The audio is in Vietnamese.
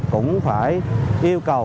cũng phải yêu cầu